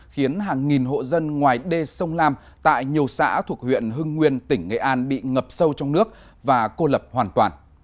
khiến hàng nghìn hộ dân ngoài đê sông lam tại nhiều xã thuộc huyện hưng nguyên tỉnh nghệ an bị ngập sâu trong nước và cô lập hoàn toàn